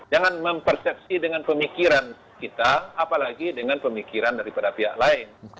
jangan mempersepsi dengan pemikiran kita apalagi dengan pemikiran daripada pihak lain